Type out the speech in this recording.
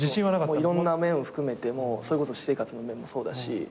いろんな面を含めてもそれこそ私生活の面もそうだし。